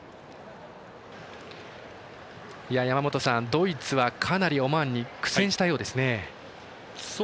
ドイツはかなりオマーンに苦戦したようですね。